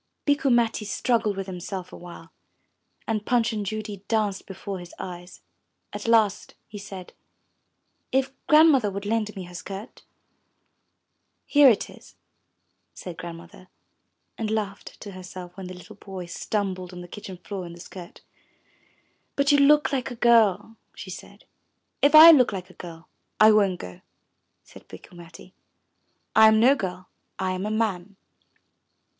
'* Bikku Matti struggled with himself a while, and Punch and Judy danced before his eyes. At last he said, '*If Grandmother would lend me her skirt?*' Here it is," said Grandmother, and laughed to herself when the little boy stumbled on the kitchen floor in the skirt. But you look like a girl," she said. 'If I look like a girl, I won't go," said Bikku Matti. I am no girl, I am a man."